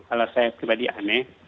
kalau saya pribadi aneh